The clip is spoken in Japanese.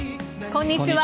こんにちは。